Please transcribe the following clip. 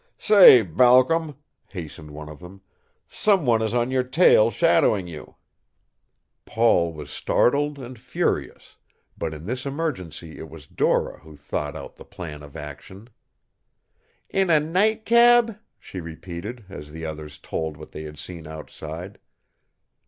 "Say, Balcom," hastened one of them, "some one is on your trail, shadowing you." Paul was startled and furious, but in this emergency it was Dora who thought out the plan of action. "In a taxicab?" she repeated, as the others told what they had seen outside.